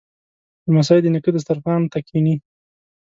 لمسی د نیکه دسترخوان ته کیني.